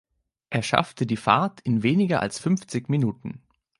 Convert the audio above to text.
Er schaffte die Fahrt in weniger als fünfzig Minuten.